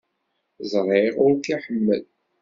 Ẓriɣ ur k-iḥemmel.